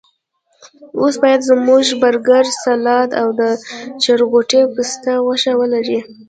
اوس باید زموږ برګر، سلاد او د چرګوټي پسته غوښه ولري.